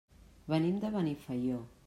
Venim de Benifaió.